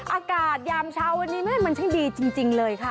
อากาศยามเช้าวันนี้มันช่างดีจริงเลยค่ะ